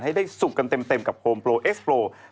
ให้ได้สุกกันเต็มกับโฮมโปรเอสโปร